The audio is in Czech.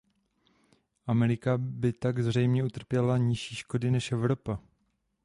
Amerika by tak zřejmě utrpěla nižší škody než Evropa.